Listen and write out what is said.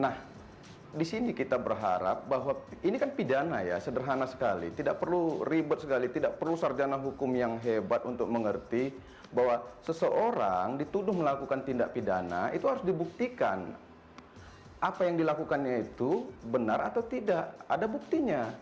nah di sini kita berharap bahwa ini kan pidana ya sederhana sekali tidak perlu ribet sekali tidak perlu sarjana hukum yang hebat untuk mengerti bahwa seseorang dituduh melakukan tindak pidana itu harus dibuktikan apa yang dilakukannya itu benar atau tidak ada buktinya